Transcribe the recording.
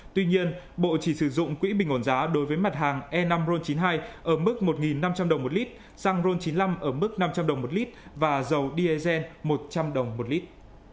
tuy nhiên bộ chỉ sử dụng quỹ bình ổn giá đối với mặt hàng e năm ron chín mươi hai ở mức một năm trăm linh đồng một lít xăng ron chín mươi năm ở mức năm trăm linh đồng một lít và dầu diesel một trăm linh đồng một lít